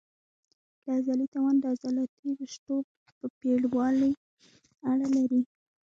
د عضلې توان د عضلاتي رشتو په پېړوالي اړه لري.